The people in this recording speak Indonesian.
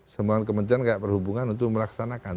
semua kementerian kayak berhubungan untuk melaksanakan